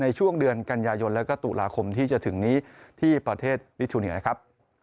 ในช่วงเดือนกันยายนแล้วก็ตุลาคมที่จะถึงนี้ที่ประเทศดิทูเนียครับ